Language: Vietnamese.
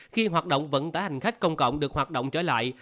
khi hoạt động vận tải hành khách công cộng được hoạt động trở lại